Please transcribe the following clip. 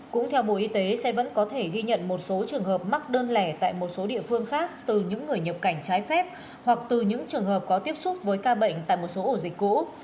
cũng theo bộ y tế sẽ vẫn có thể ghi nhận một số trường hợp mắc đơn lẻ tại một số địa phương khác từ những người nhập cảnh trái phép hoặc từ những trường hợp có tiếp xúc với ca bệnh tại một số ổ dịch cũ